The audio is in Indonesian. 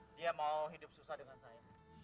dia mau hidup susah dengan saya